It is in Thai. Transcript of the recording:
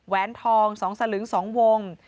แวนทอง๒สลึง๒วง